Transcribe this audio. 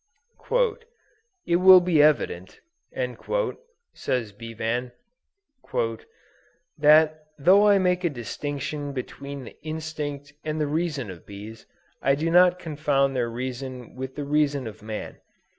"It will be evident," says Bevan, "that though I make a distinction between the instinct and the reason of bees, I do not confound their reason with the reason of man.